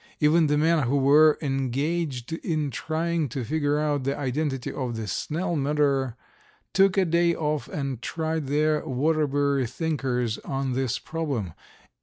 Even the men who were engaged in trying to figure out the identity of the Snell murderer, took a day off and tried their Waterbury thinkers on this problem.